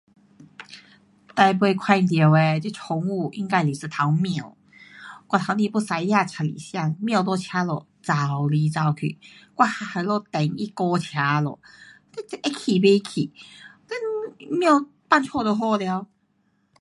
最后看到的这宠物应该是一头猫。我刚才驾车要出来时间，猫在车路跑来跑去。我还在那里等它过车路。你这会气不气？你猫放家就好了。